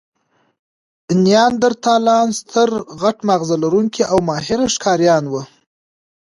نیاندرتالان ستر، غټ ماغزه لرونکي او ماهره ښکاریان وو.